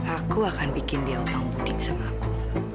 aku akan bikin dia utang budi sama aku